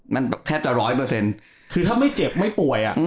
แบบแทบจะร้อยเปอร์เซ็นต์คือถ้าไม่เจ็บไม่ป่วย